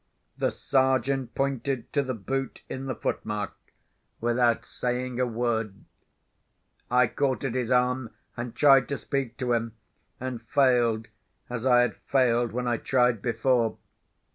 The Sergeant pointed to the boot in the footmark, without saying a word. I caught at his arm, and tried to speak to him, and failed as I had failed when I tried before.